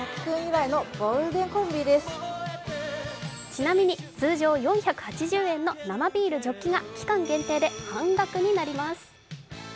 ちなみに、通常４８０円の生ビールジョッキが期間限定で半額になります。